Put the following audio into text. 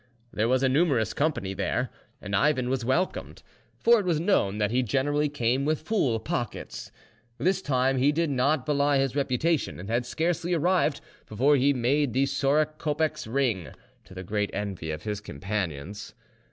There was a numerous company there, and Ivan was welcomed; for it was known that he generally came with full pockets. This time he did not belie his reputation, and had scarcely arrived before he made the sorok kopecks ring, to the great envy of his companions.